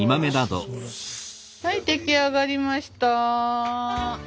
はい出来上がりました。